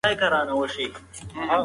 کله چې نیکي کوئ خوشحاله کیږئ.